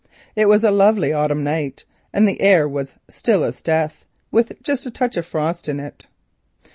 It was a lovely autumn night, and the air was still as death, with just a touch of frost in it.